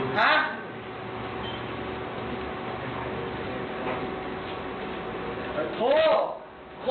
ครับพี่ดิครับ